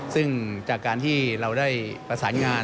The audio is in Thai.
ซึ่งจากการที่เราได้ประสานงาน